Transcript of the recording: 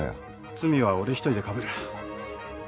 罪は俺一人でかぶる。